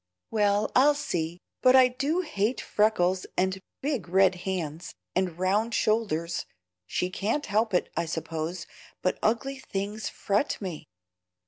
"Well, I'll see. But I do hate freckles and big red hands, and round shoulders. She can't help it, I suppose, but ugly things fret me."